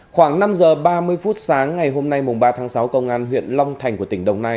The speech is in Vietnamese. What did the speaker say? khoảng năm giờ ba mươi phút sáng ngày hôm nay ba tháng sáu công an huyện long thành của tỉnh đồng nai